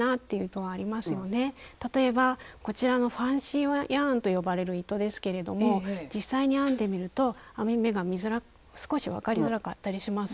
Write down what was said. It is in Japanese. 例えばこちらのファンシーヤーンと呼ばれる糸ですけれども実際に編んでみると編み目が見づらく少し分かりづらかったりします。